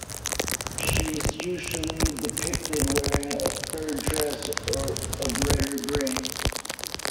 She is usually depicted wearing a fur dress of red or green.